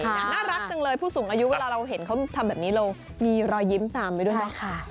น่ารักจังเลยผู้สูงอายุเวลาเราเห็นเขาทำแบบนี้เรามีรอยยิ้มตามไปด้วยไหมคะ